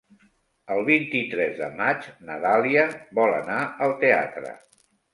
El vint-i-tres de maig na Dàlia vol anar al teatre.